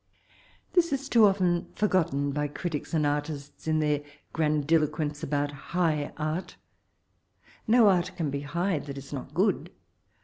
This 18 too often forgotten by critics and artists, in their grandiloquence about ''high art" No art can be high that is not good.